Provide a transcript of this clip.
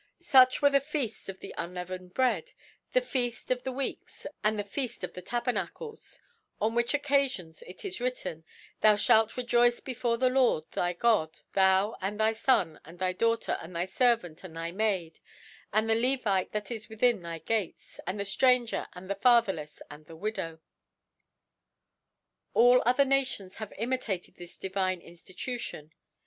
Such were the Feaji of the un kaveneii'Breadi the Feq/i of the Weeks ^ and the FeaJi of the Tabernacles, 'On which Oc cafions it is written, Thou fhalt rejoice before the Lord thy Gid, thou and thy Son and thy Daughter^ and thy Servant y and thy Maid^ and the Levite that is within thy Gates^ and the Stranger^ and the Fatherlefs^ and the Wi* dow *. All other Nations have imitated this di vine Inftitution.